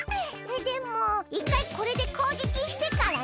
でもいっかいこれでこうげきしてからね。